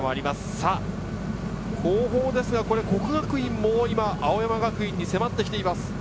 さぁ後方ですが、國學院も今、青山学院に迫ってきています。